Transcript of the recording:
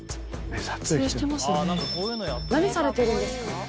何されてるんですか？